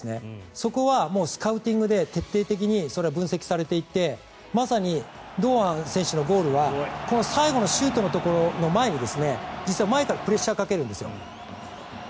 そこはスカウティングで徹底的にそれは分析されていてまさに堂安選手のゴールはこの最後のシュートのところの前に実は前からプレッシャーをかけるんですよ。